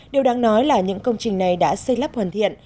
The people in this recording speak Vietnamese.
điều đáng nói là những công trình này đã xây lắp hoàn thiện